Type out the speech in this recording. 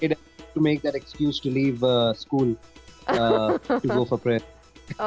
anak anak itu harus membuat alasan untuk pergi ke sekolah untuk berdoa